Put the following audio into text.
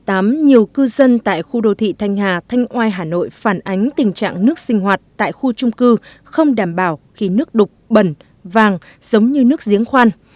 năm hai nghìn một mươi tám nhiều cư dân tại khu đô thị thanh hà thanh oai hà nội phản ánh tình trạng nước sinh hoạt tại khu trung cư không đảm bảo khi nước đục bẩn vàng giống như nước giếng khoan